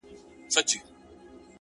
زموږ وطن كي اور بل دی;